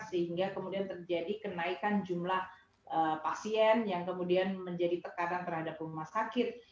sehingga kemudian terjadi kenaikan jumlah pasien yang kemudian menjadi tekanan terhadap rumah sakit